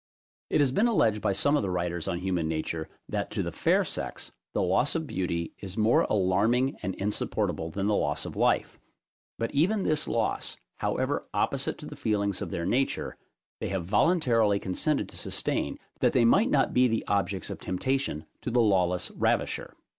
It has been alleged by some of the writers on human nature, that to the fair sex the loss of beauty is more alarming and insupportable than the loss of life; but even this loss, however opposite to the feelings of their nature, they have voluntarily consented to sustain, that they might not be the objects of temptation to the lawless ravisher.